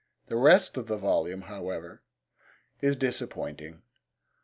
The rest of the volume, however, is disappointing.